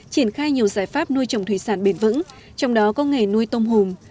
triển khai nhiều giải pháp nuôi trồng thủy sản bền vững trong đó có nghề nuôi tôm hùm